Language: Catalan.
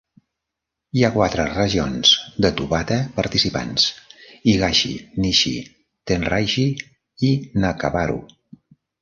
Hi ha quatre regions de Tobata participants: Higashi, Nishi, Tenraiji i Nakabaru.